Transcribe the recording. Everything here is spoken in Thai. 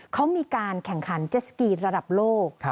เขามีการแข่งขันเจสสกีระดับโลก